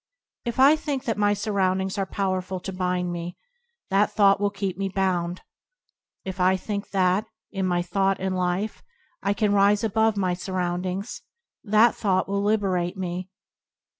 If I think that my surroundings are powerful to bind me, that thought will keep me bound. If I think that, in my thought and life, I can rise above my surroundings, that thought will liberate me.